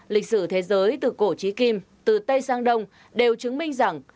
lịch sử thế giới từ cổ trí kim từ tây sang đông đều chứng minh rằng